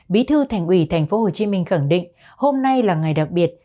bí thư thành ủy thành phố hồ chí minh khẳng định hôm nay là ngày đặc biệt